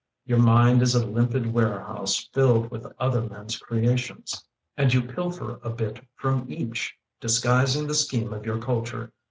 Your mind is a limpid warehouse Filled with other mens' creations, And you pilfer a bit from each, Disguising the scheme of your culture.